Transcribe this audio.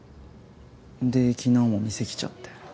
で昨日も店来ちゃって。